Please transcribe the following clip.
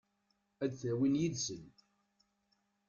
Ad t-awin yid-sen?